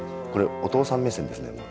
これお父さん目線ですね